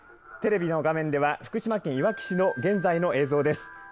テレビの画面では福島県いわき市の現在の映像です。